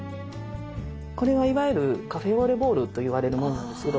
これはいわゆるカフェオレボウルといわれるものなんですけど。